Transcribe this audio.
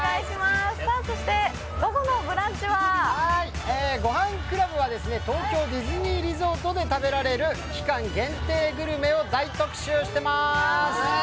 そして午後の「ブランチ」は「ごはんクラブ」は東京ディズニーリゾートで食べられる期間限定グルメを大特集しています。